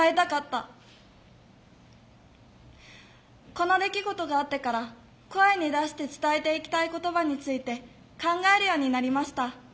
この出来事があってから「声に出して伝えていきたい言葉」について考えるようになりました。